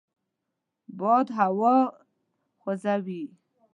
باد هوا خوځوي